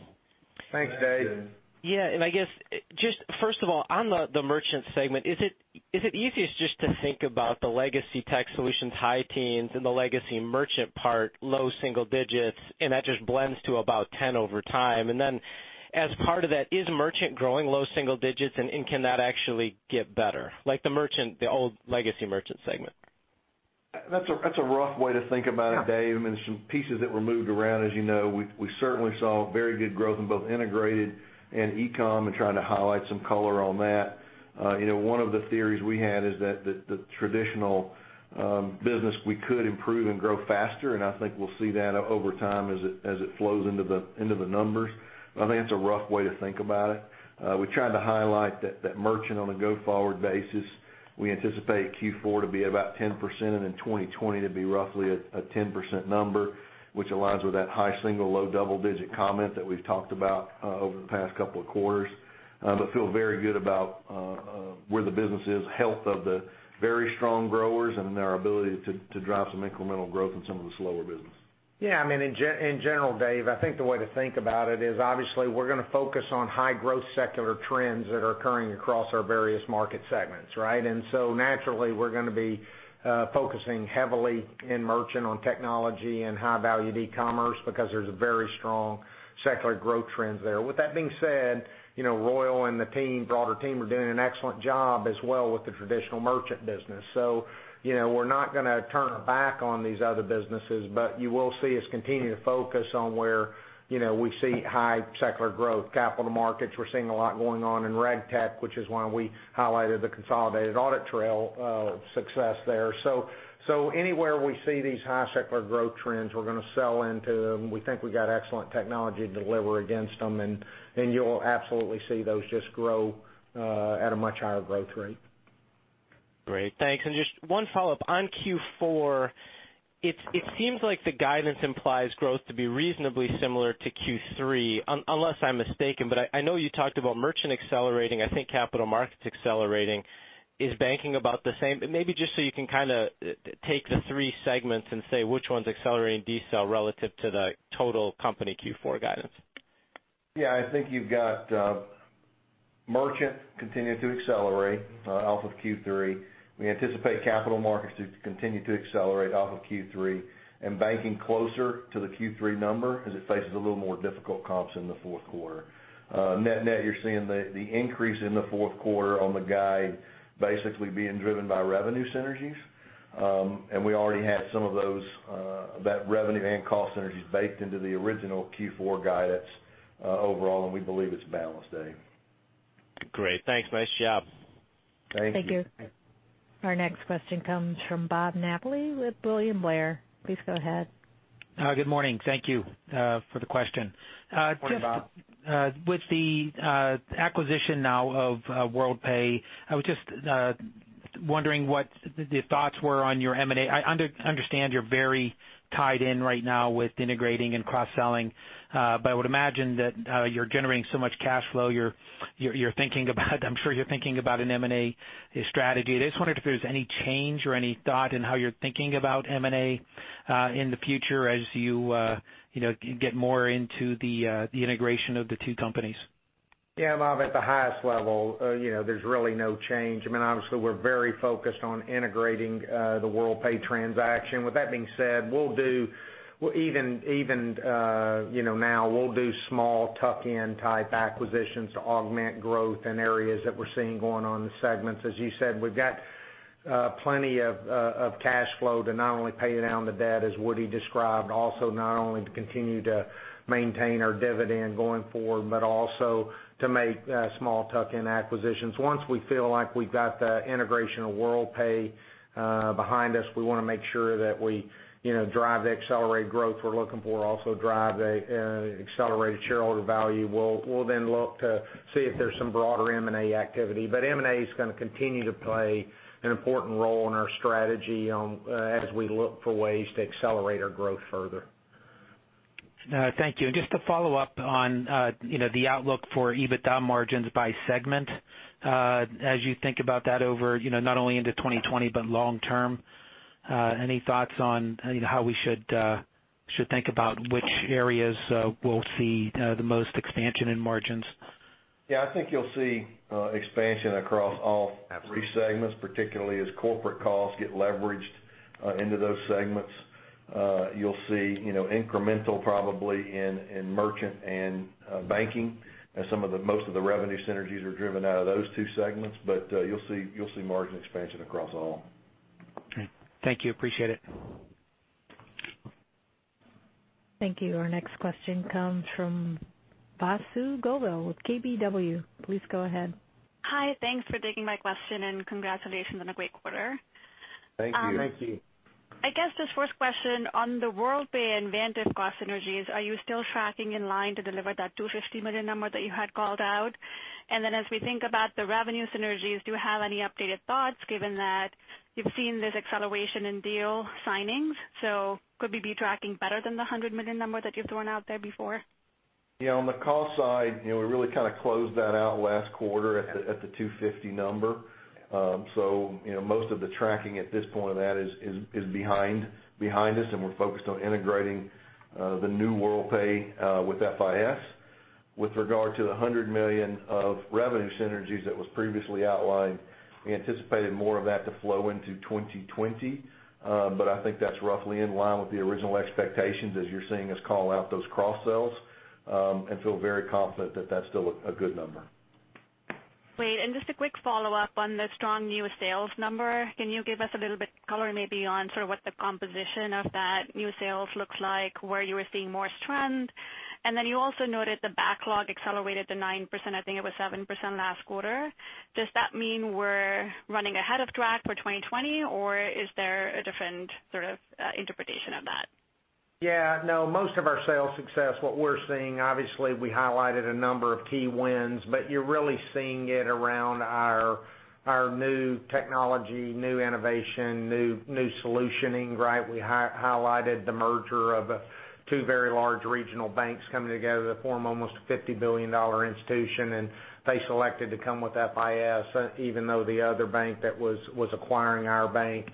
Thanks, Dave. Thanks, Dave. Yeah, I guess, just first of all, on the merchant segment, is it easiest just to think about the legacy tech solutions high teens and the legacy merchant part low single digits, and that just blends to about 10 over time? As part of that, is merchant growing low single digits, and can that actually get better? Like the old legacy merchant segment. That's a rough way to think about it, Dave. I mean, some pieces that were moved around, as you know. We certainly saw very good growth in both integrated and e-com and trying to highlight some color on that. One of the theories we had is that the traditional business we could improve and grow faster, and I think we'll see that over time as it flows into the numbers. I think that's a rough way to think about it. We tried to highlight that merchant on a go-forward basis, we anticipate Q4 to be about 10% and then 2020 to be roughly a 10% number, which aligns with that high single, low double-digit comment that we've talked about over the past couple of quarters. Feel very good about where the business is, health of the very strong growers, and our ability to drive some incremental growth in some of the slower business. Yeah, in general, Dave, I think the way to think about it is obviously we're going to focus on high growth secular trends that are occurring across our various market segments, right? Naturally, we're going to be focusing heavily in merchant on technology and high-valued e-commerce because there's a very strong secular growth trends there. With that being said, Royal and the broader team are doing an excellent job as well with the traditional merchant business. We're not going to turn our back on these other businesses, but you will see us continue to focus on where we see high secular growth. Capital markets, we're seeing a lot going on in RegTech, which is why we highlighted the consolidated audit trail success there. Anywhere we see these high secular growth trends, we're going to sell into them. We think we've got excellent technology to deliver against them, and you'll absolutely see those just grow at a much higher growth rate. Great. Thanks. Just one follow-up. On Q4, it seems like the guidance implies growth to be reasonably similar to Q3, unless I'm mistaken. I know you talked about merchant accelerating, I think capital markets accelerating. Is banking about the same? Maybe just so you can take the three segments and say which one's accelerating, decelerating relative to the total company Q4 guidance. Yeah, I think you've got Merchant Solutions continuing to accelerate off of Q3. We anticipate Capital Markets to continue to accelerate off of Q3, and Banking Solutions closer to the Q3 number as it faces a little more difficult comps in the fourth quarter. Net-net, you're seeing the increase in the fourth quarter on the guide basically being driven by revenue synergies. We already had some of that revenue and cost synergies baked into the original Q4 guidance overall, and we believe it's balanced, Dave. Great. Thanks. Nice job. Thank you. Thank you. Our next question comes from Robert Napoli with William Blair. Please go ahead. Good morning. Thank you for the question. Morning, Bob. With the acquisition now of Worldpay, I was just wondering what the thoughts were on your M&A. I understand you're very tied in right now with integrating and cross-selling. I would imagine that you're generating so much cash flow, I'm sure you're thinking about an M&A strategy. I just wondered if there's any change or any thought in how you're thinking about M&A in the future as you get more into the integration of the two companies. Yeah, Bob, at the highest level, there's really no change. Obviously, we're very focused on integrating the Worldpay transaction. With that being said, even now, we'll do small tuck-in type acquisitions to augment growth in areas that we're seeing going on in the segments. As you said, we've got plenty of cash flow to not only pay down the debt, as Woody described, also not only to continue to maintain our dividend going forward, but also to make small tuck-in acquisitions. Once we feel like we've got the integration of Worldpay behind us, we want to make sure that we drive the accelerated growth we're looking for, also drive accelerated shareholder value. We'll then look to see if there's some broader M&A activity. M&A is going to continue to play an important role in our strategy as we look for ways to accelerate our growth further. Thank you. Just to follow up on the outlook for EBITDA margins by segment. As you think about that over, not only into 2020, but long term, any thoughts on how we should think about which areas we'll see the most expansion in margins? I think you'll see expansion across all three segments. Absolutely particularly as corporate costs get leveraged into those segments. You'll see incremental probably in Merchant and Banking, as most of the revenue synergies are driven out of those two segments. You'll see margin expansion across all. Okay. Thank you. Appreciate it. Thank you. Our next question comes from Vasu Govil with KBW. Please go ahead. Hi. Thanks for taking my question, and congratulations on a great quarter. Thank you. Thank you. I guess this first question on the Worldpay and Vantiv cost synergies, are you still tracking in line to deliver that $250 million number that you had called out? Then as we think about the revenue synergies, do you have any updated thoughts given that you've seen this acceleration in deal signings? Could we be tracking better than the $100 million number that you've thrown out there before? Yeah, on the cost side, we really closed that out last quarter at the $250. Most of the tracking at this point of that is behind us, and we're focused on integrating the new Worldpay with FIS. With regard to the $100 million of revenue synergies that was previously outlined, we anticipated more of that to flow into 2020. I think that's roughly in line with the original expectations as you're seeing us call out those cross-sells, and feel very confident that that's still a good number. Great. Just a quick follow-up on the strong new sales number. Can you give us a little bit color maybe on what the composition of that new sales looks like, where you were seeing more trend? You also noted the backlog accelerated to 9%, I think it was 7% last quarter. Does that mean we're running ahead of track for 2020, or is there a different interpretation of that? Yeah, no, most of our sales success, what we're seeing, obviously, we highlighted a number of key wins. You're really seeing it around our new technology, new innovation, new solutioning, right? We highlighted the merger of two very large regional banks coming together to form almost a $50 billion institution, and they selected to come with FIS even though the other bank was acquiring our bank.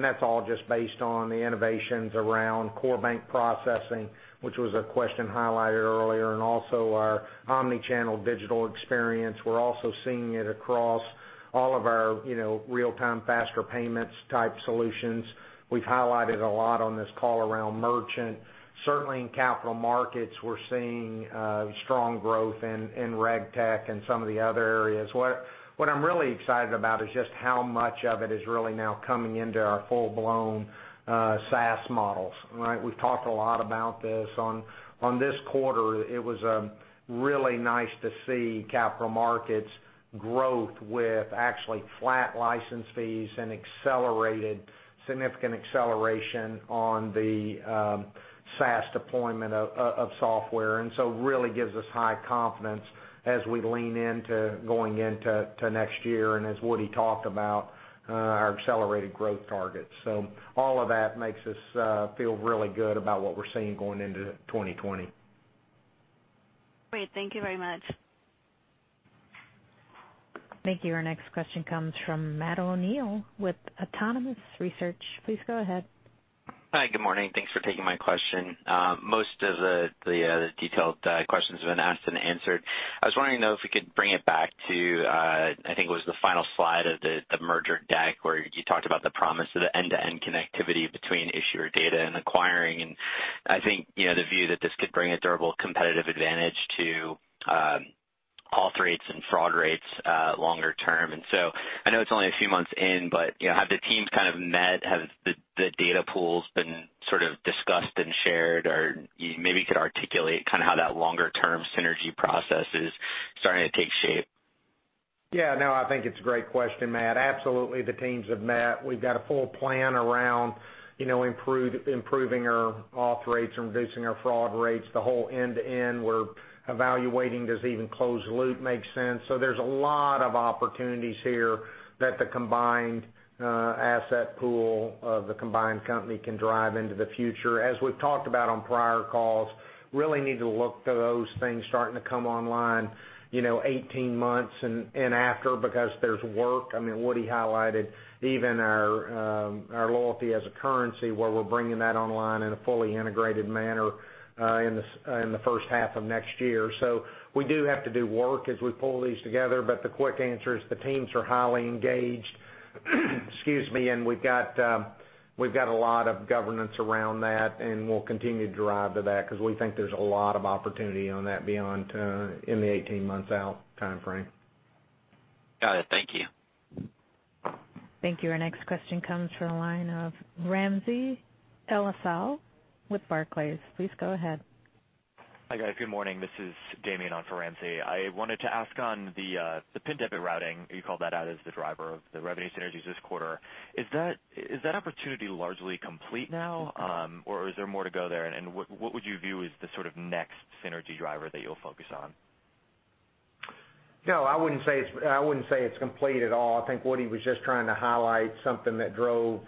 That's all just based on the innovations around core bank processing, which was a question highlighted earlier, and also our omni-channel digital experience. We're also seeing it across all of our real-time faster payments type solutions. We've highlighted a lot on this call around Merchant. Certainly in Capital Markets, we're seeing strong growth in RegTech and some of the other areas. What I'm really excited about is just how much of it is really now coming into our full-blown SaaS models, right? We've talked a lot about this. On this quarter, it was really nice to see capital markets growth with actually flat license fees and significant acceleration on the SaaS deployment of software. Really gives us high confidence as we lean into going into next year and as Woody talked about, our accelerated growth targets. All of that makes us feel really good about what we're seeing going into 2020. Great. Thank you very much. Thank you. Our next question comes from Matthew O'Neill with Autonomous Research. Please go ahead. Hi, good morning. Thanks for taking my question. Most of the detailed questions have been asked and answered. I was wondering, though, if we could bring it back to, I think it was the final slide of the merger deck where you talked about the promise of the end-to-end connectivity between issuer data and acquiring, and I think the view that this could bring a durable competitive advantage to auth rates and fraud rates longer term. I know it's only a few months in, but have the teams met? Have the data pools been discussed and shared? Maybe you could articulate how that longer-term synergy process is starting to take shape. Yeah, no, I think it's a great question, Matt. Absolutely, the teams have met. We've got a full plan around improving our auth rates and reducing our fraud rates. The whole end-to-end, we're evaluating, does even closed loop make sense? There's a lot of opportunities here that the combined asset pool of the combined company can drive into the future. As we've talked about on prior calls, really need to look to those things starting to come online 18 months and after because there's work. Woody highlighted even our Loyalty as a currency, where we're bringing that online in a fully integrated manner in the first half of next year. We do have to do work as we pull these together, but the quick answer is the teams are highly engaged, and we've got a lot of governance around that, and we'll continue to drive to that because we think there's a lot of opportunity on that beyond in the 18 months out timeframe. Got it. Thank you. Thank you. Our next question comes from the line of Ramsey El-Assal with Barclays. Please go ahead. Hi, guys. Good morning. This is Damian on for Ramsey. I wanted to ask on the pin debit routing, you called that out as the driver of the revenue synergies this quarter. Is that opportunity largely complete now, or is there more to go there? What would you view as the next synergy driver that you'll focus on? No, I wouldn't say it's complete at all. I think Woody was just trying to highlight something that drove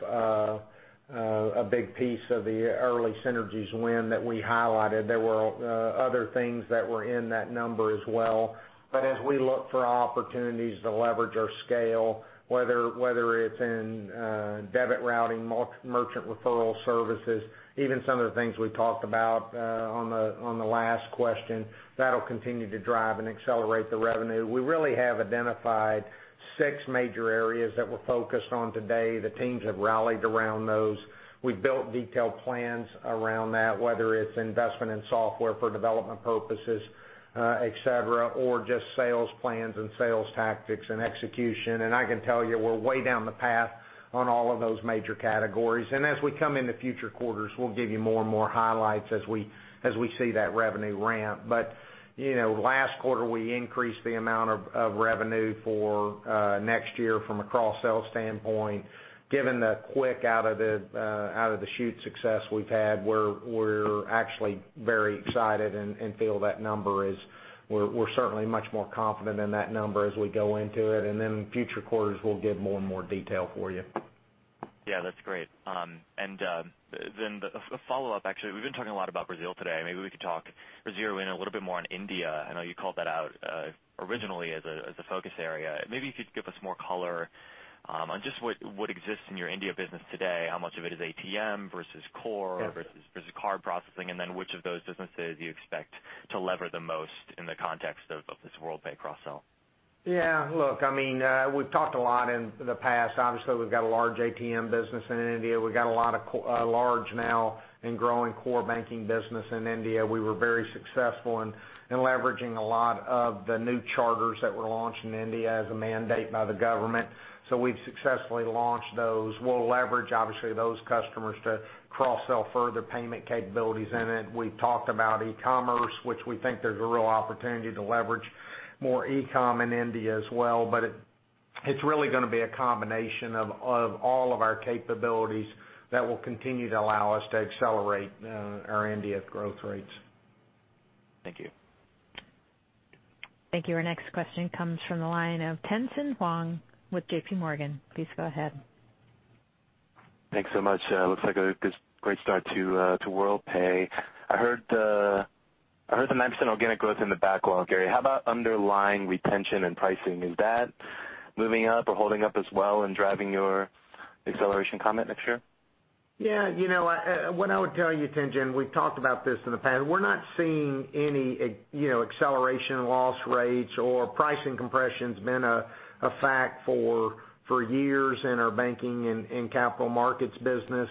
a big piece of the early synergies win that we highlighted. There were other things that were in that number as well. As we look for opportunities to leverage our scale, whether it's in debit routing, merchant referral services, even some of the things we talked about on the last question, that'll continue to drive and accelerate the revenue. We really have identified six major areas that we're focused on today. The teams have rallied around those. We've built detailed plans around that, whether it's investment in software for development purposes, et cetera, or just sales plans and sales tactics and execution. I can tell you, we're way down the path on all of those major categories. As we come into future quarters, we'll give you more and more highlights as we see that revenue ramp. Last quarter, we increased the amount of revenue for next year from a cross-sell standpoint. Given the quick out-of-the-chute success we've had, we're actually very excited and feel that we're certainly much more confident in that number as we go into it. Future quarters will give more and more detail for you. Yeah, that's great. Then a follow-up, actually. We've been talking a lot about Brazil today. Maybe we could zero in a little bit more on India. I know you called that out originally as a focus area. Maybe if you'd give us more color on just what exists in your India business today, how much of it is ATM versus core versus card processing, and then which of those businesses you expect to lever the most in the context of this Worldpay cross-sell. Yeah, look, we've talked a lot in the past. Obviously, we've got a large ATM business in India. We've got a large, now, and growing core banking business in India. We were very successful in leveraging a lot of the new charters that were launched in India as a mandate by the government. We've successfully launched those. We'll leverage, obviously, those customers to cross-sell further payment capabilities in it. We've talked about e-commerce, which we think there's a real opportunity to leverage more e-com in India as well. It's really going to be a combination of all of our capabilities that will continue to allow us to accelerate our India growth rates. Thank you. Thank you. Our next question comes from the line of Tien-Tsin Huang with JPMorgan. Please go ahead. Thanks so much. Looks like a great start to Worldpay. I heard the 9% organic growth in the backlog, Gary. How about underlying retention and pricing? Is that moving up or holding up as well and driving your acceleration comment next year? Yeah. What I would tell you, Tien-Tsin, we've talked about this in the past. We're not seeing any acceleration in loss rates or pricing compression's been a fact for years in our banking and capital markets business.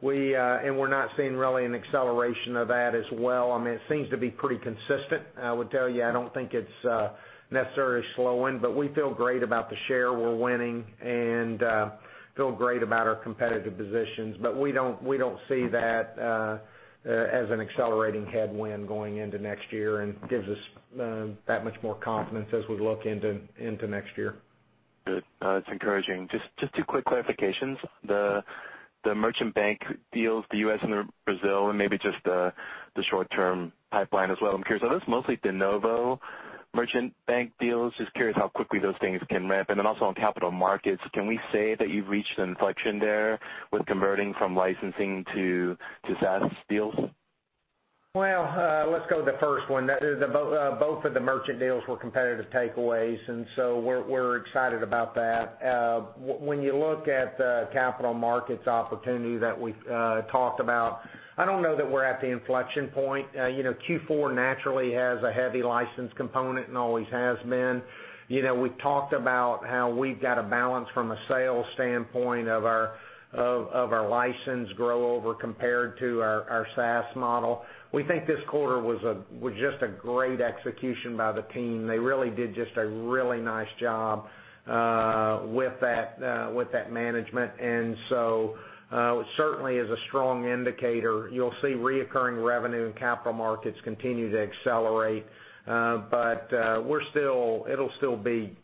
We're not seeing really an acceleration of that as well. It seems to be pretty consistent. I would tell you, I don't think it's necessarily slowing, but we feel great about the share we're winning and feel great about our competitive positions. We don't see that as an accelerating headwind going into next year and gives us that much more confidence as we look into next year. Good. That's encouraging. Just two quick clarifications. The merchant bank deals, the U.S. and Brazil, and maybe just the short-term pipeline as well. I am curious, are those mostly de novo merchant bank deals? Just curious how quickly those things can ramp. Also on capital markets, can we say that you've reached an inflection there with converting from licensing to SaaS deals? Let's go the first one. Both of the merchant deals were competitive takeaways. We're excited about that. When you look at the Capital Markets opportunity that we've talked about, I don't know that we're at the inflection point. Q4 naturally has a heavy license component and always has been. We've talked about how we've got a balance from a sales standpoint of our license grow over compared to our SaaS model. We think this quarter was just a great execution by the team. They really did just a really nice job with that management. Certainly is a strong indicator. You'll see recurring revenue in Capital Markets continue to accelerate. It'll still be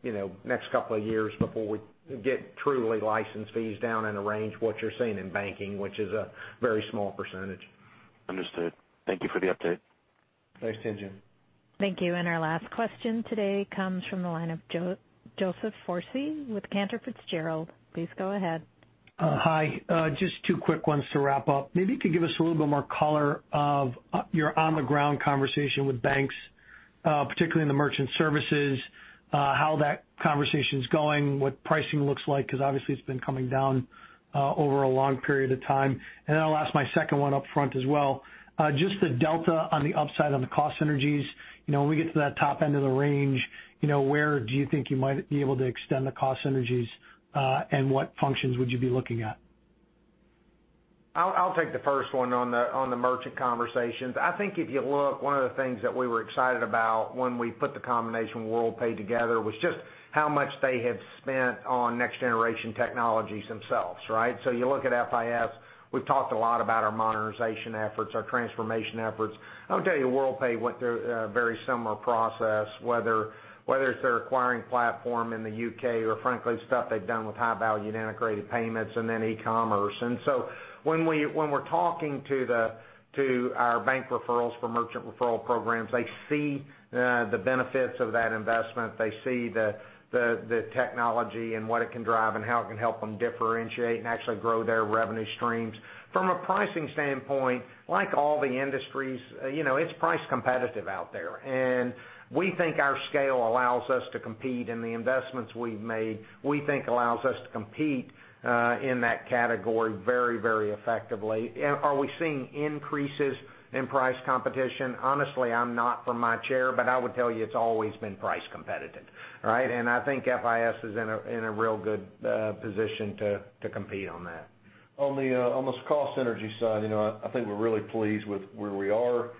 next couple of years before we get truly license fees down in the range what you're seeing in banking, which is a very small percentage. Understood. Thank you for the update. Thanks, [Tien-Tsin]. Thank you. Our last question today comes from the line of Joseph Foresi with Cantor Fitzgerald. Please go ahead. Hi. Just two quick ones to wrap up. Maybe you could give us a little bit more color of your on-the-ground conversation with banks, particularly in the merchant services, how that conversation's going, what pricing looks like, because obviously it's been coming down, over a long period of time. I'll ask my second one upfront as well. Just the delta on the upside on the cost synergies. When we get to that top end of the range, where do you think you might be able to extend the cost synergies, and what functions would you be looking at? I'll take the first one on the merchant conversations. I think if you look, one of the things that we were excited about when we put the combination Worldpay together was just how much they had spent on next-generation technologies themselves, right? You look at FIS, we've talked a lot about our modernization efforts, our transformation efforts. I would tell you, Worldpay went through a very similar process, whether it's their acquiring platform in the U.K. or frankly, the stuff they've done with high-value integrated payments and then e-commerce. When we're talking to our bank referrals for merchant referral programs, they see the benefits of that investment. They see the technology and what it can drive and how it can help them differentiate and actually grow their revenue streams. From a pricing standpoint, like all the industries, it's price competitive out there. We think our scale allows us to compete in the investments we've made, we think allows us to compete in that category very, very effectively. Are we seeing increases in price competition? Honestly, I'm not from my chair, but I would tell you it's always been price competitive, right? I think FIS is in a real good position to compete on that. On the cost synergy side, I think we're really pleased with where we are.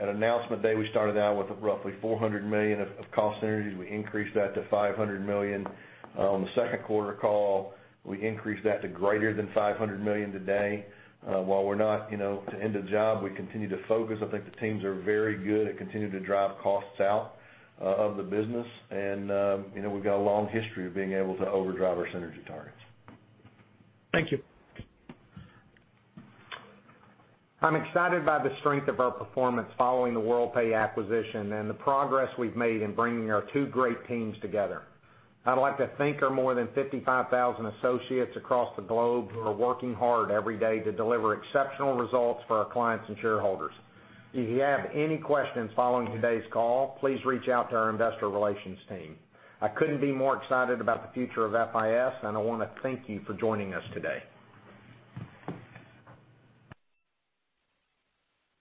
At announcement day, we started out with roughly $400 million of cost synergies. We increased that to $500 million. On the second quarter call, we increased that to greater than $500 million today. While we're not end of job, we continue to focus. I think the teams are very good at continuing to drive costs out of the business. We've got a long history of being able to overdrive our synergy targets. Thank you. I'm excited by the strength of our performance following the Worldpay acquisition and the progress we've made in bringing our two great teams together. I'd like to thank our more than 55,000 associates across the globe who are working hard every day to deliver exceptional results for our clients and shareholders. If you have any questions following today's call, please reach out to our investor relations team. I couldn't be more excited about the future of FIS, and I want to thank you for joining us today.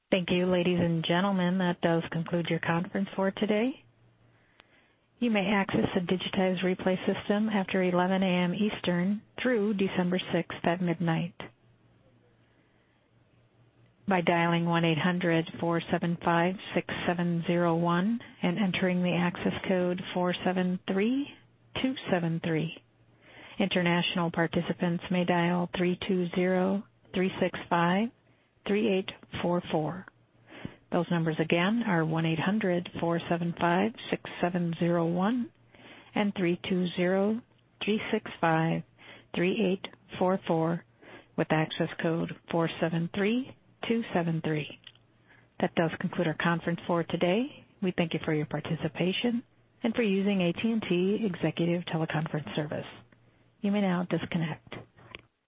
Thank you, ladies and gentlemen. That does conclude your conference for today. You may access the digitized replay system after 11:00 A.M. Eastern through December 6th at midnight by dialing 1-800-475-6701 and entering the access code 473273. International participants may dial 3203653844. Those numbers again are 1-800-475-6701 and 3203653844 with access code 473273. That does conclude our conference for today. We thank you for your participation and for using AT&T Executive Teleconference Service. You may now disconnect.